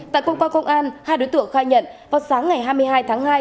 tại công qua công an hai đối tượng khai nhận vào sáng ngày hai mươi hai tháng hai